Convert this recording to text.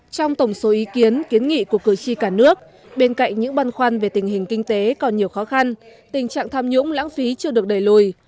trong tổng số ý kiến kiến nghị của cử tri cả nước bên cạnh những băn khoăn về tình hình kinh tế còn nhiều khó khăn tình trạng tham nhũng lãng phí chưa được đẩy lùi